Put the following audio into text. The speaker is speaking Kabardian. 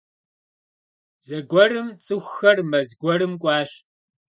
Зэгуэрым цӀыхухэр мэз гуэрым кӀуащ.